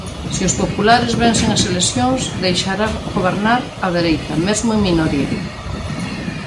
Se os populares vencen as eleccións, deixará gobernar a dereita, mesmo en minoria?